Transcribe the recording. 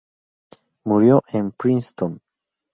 Murió en Princeton.